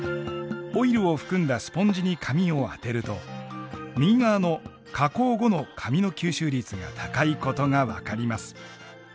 オイルを含んだスポンジに紙を当てると右側の加工後の紙の吸収率が高いことが分かります。